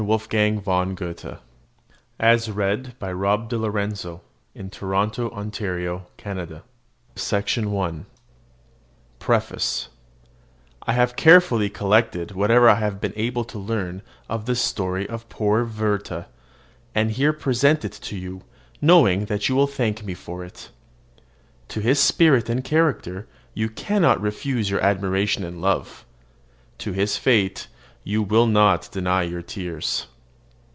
von Goethe Translated by R.D. Boylan Edited by Nathen Haskell Dole The Sorrows of Young Werther PREFACE I have carefully collected whatever I have been able to learn of the story of poor Werther, and here present it to you, knowing that you will thank me for it. To his spirit and character you cannot refuse your admiration and love: to his fate you will not deny your tears.